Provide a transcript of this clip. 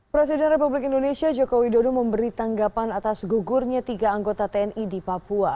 presiden republik indonesia joko widodo memberi tanggapan atas gugurnya tiga anggota tni di papua